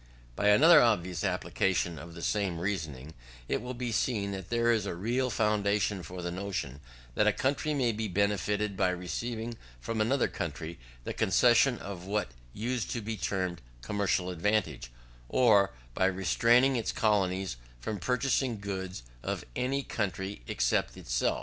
By another obvious application of the same reasoning, it will be seen, that there is a real foundation for the notion, that a country may be benefited by receiving from another country the concession of what used to be termed commercial advantages, or by restraining its colonies from purchasing goods of any country except itself.